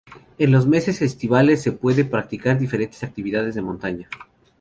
En los meses estivales se puede practicar diferentes actividades de montaña.